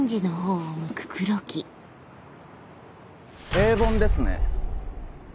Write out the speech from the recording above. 平凡ですね。